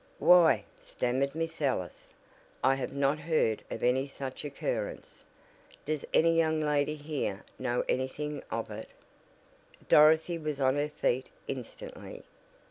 "Why," stammered Miss Ellis, "I have not heard of any such occurrence. Does any young lady here know anything of it?" Dorothy was on her feet instantly.